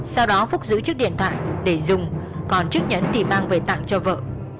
sau đó phúc giữ chiếc điện thoại để dùng còn chiếc nhẫn thì mang về tặng cho vợ